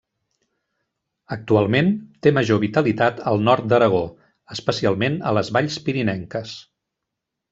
Actualment té major vitalitat al nord d'Aragó, especialment a les valls pirinenques.